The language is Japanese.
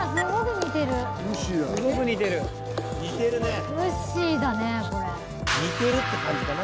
似てるって感じかな。